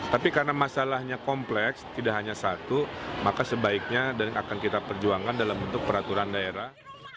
tapi karena masalahnya kompleks tidak hanya satu maka sebaiknya dan akan kita perjuangkan dalam bentuk peraturan daerah